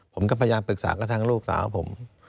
ผมก็พยายามปรึกษากับทางลูกสาวผม